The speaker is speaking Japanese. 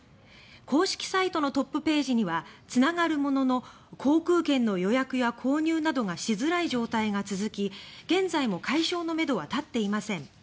公式サイトのトップページにはつながるものの航空券の予約や購入などがしづらい状態が続き現在も解消のめどは立っていません。